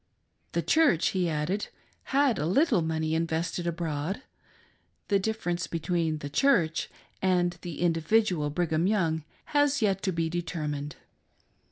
"The Church," he added, had a little money invested abroad. The difference between " The Church" and the individual Brigham. Young has yet to be determined.